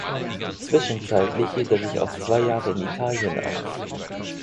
Zwischenzeitlich hielt er sich auch zwei Jahre in Italien auf.